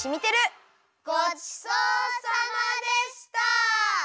ごちそうさまでした！